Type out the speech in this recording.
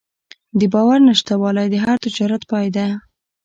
د باور نشتوالی د هر تجارت پای ده.